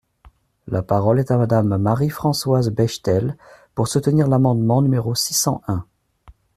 La parole est à Madame Marie-Françoise Bechtel, pour soutenir l’amendement numéro six cent un.